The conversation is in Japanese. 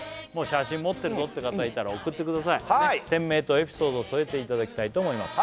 写真持ってるぞという方いたら送ってください店名とエピソードを添えていただきたいと思います